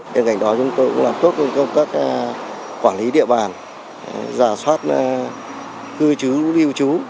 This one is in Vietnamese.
bên cạnh đó chúng tôi cũng làm cốt công tác quản lý địa bàn giả soát cư chú lưu chú